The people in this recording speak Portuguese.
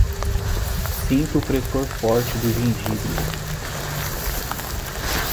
Sinto o frescor forte do gengibre